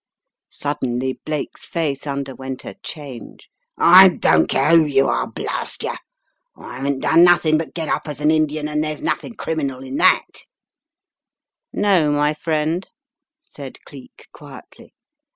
Suddenly Blake's face underwent a change. "I don't care who you are, blarst yer! I haven't done nothing but get up as an Indian, and there's nothing criminal in that I " "No, my friend," said Cleek, quietly.